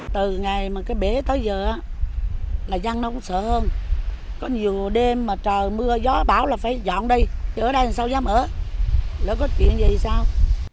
từ ngày mà cái bể tới giờ là dân nó cũng sợ hơn có nhiều đêm mà trời mưa gió bão là phải dọn đi chứ ở đây sao dám ở nếu có chuyện gì thì sao